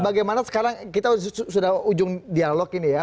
bagaimana sekarang kita sudah ujung dialog ini ya